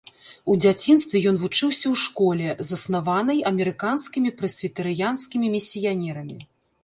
У дзяцінстве ён вучыўся ў школе, заснаванай амерыканскімі прэсвітарыянскімі місіянерамі.